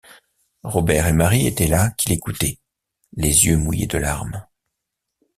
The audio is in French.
Robert et Mary étaient là qui l’écoutaient, les yeux mouillés de larmes.